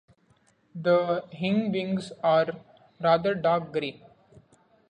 The hindwings are rather dark grey.